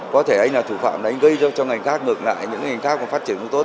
có thể anh là thủ phạm anh gây cho ngành khác ngược lại những ngành khác còn phát triển cũng tốt